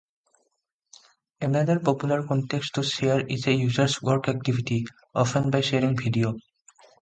Another popular context to share is a user's work activity, often by sharing video.